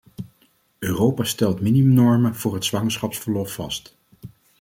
Europa stelt minimumnormen voor het zwangerschapsverlof vast.